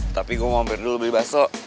tapi gue mau hampir dulu beli bakso